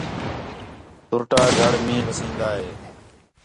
تُرٹا جُھڑ مِین٘ہ وسین٘دا ہے